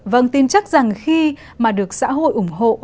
vâng tin chắc rằng khi mà được xã hội ủng hộ